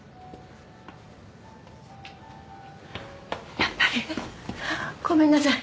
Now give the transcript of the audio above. やっぱりごめんなさい